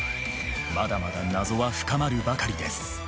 まだまだ謎は深まるばかりです。